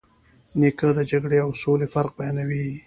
نیکه د جګړې او سولې فرق بیانوي.